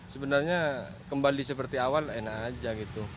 sebenarnya kembali seperti awal enak aja gitu